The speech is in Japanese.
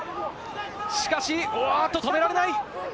しかし、おっと、止められない！